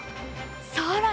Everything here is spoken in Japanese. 更に